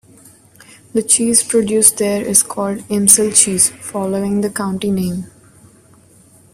The cheese produced there is called Imsil cheese, following the county name.